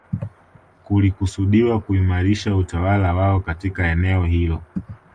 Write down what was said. Kulikusudiwa kuimarisha utawala wao katika eneo hilo